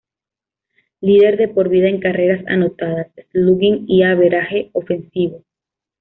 Líder de por vida en carreras anotadas, slugging y average ofensivo.